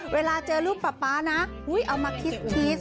เวลาเจอลูกป๊านะเอามาคิส